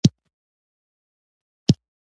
حمدشاه بابا د لویو امپراطورانو له ډلي شمېرل کېږي.